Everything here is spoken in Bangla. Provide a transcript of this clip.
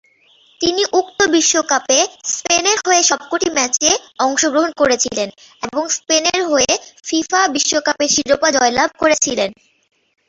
তিনি উক্ত বিশ্বকাপে স্পেনের হয়ে সবকটি ম্যাচে অংশগ্রহণ করেছিলেন এবং স্পেনের হয়ে ফিফা বিশ্বকাপের শিরোপা জয়লাভ করেছিলেন।